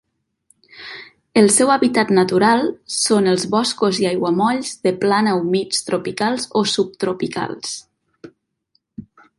El seu hàbitat natural són els boscos i aiguamolls de plana humits tropicals o subtropicals.